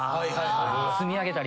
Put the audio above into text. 積み上げたり。